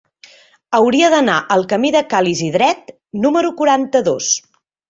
Hauria d'anar al camí de Ca l'Isidret número quaranta-dos.